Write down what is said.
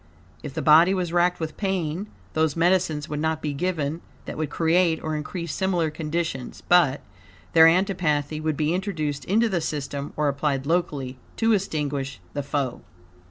If the body was racked with pain, those medicines would not be given that would create or increase similar conditions, but, their antipathy would be introduced into the system or applied locally to extinguish the foe.